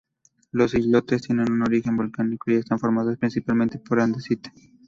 Los islotes tienen un origen volcánico y están formados principalmente por andesita.